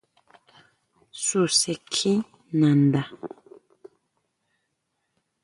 Suse kjí nanda.